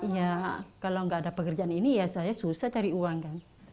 ya kalau nggak ada pekerjaan ini ya saya susah cari uang kan